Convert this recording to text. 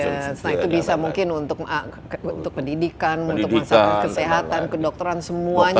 nah itu bisa mungkin untuk pendidikan untuk masalah kesehatan kedokteran semuanya